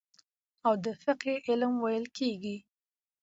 او د فقهي علم ويل کېږي.